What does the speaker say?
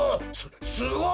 すすごい！